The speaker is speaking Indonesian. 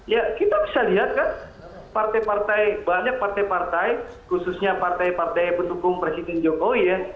ya kita bisa lihat kan partai partai banyak partai partai khususnya partai partai pendukung presiden jokowi ya